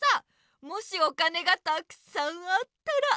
もしお金がたくさんあったら。